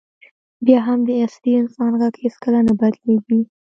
بیا هم د اصلي انسان غږ هېڅکله نه بدلېږي.